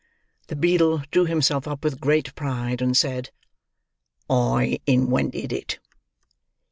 The beadle drew himself up with great pride, and said, "I inwented it."